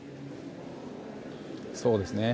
そうですね。